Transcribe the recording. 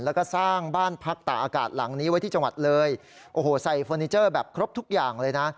แล้วก็สร้างบ้านพักตาอากาศหลังนี้ไว้ที่จังหวัดเลยโอ้โหใส่เฟอร์นิเจอร์แบบครบทุกอย่างเลยนะ